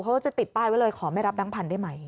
เขาก็จะติดป้ายไว้เลยขอไม่รับแก๊งพันธุ์ได้ไหม